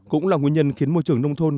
cũng là nguyên nhân khiến môi trường nông thôn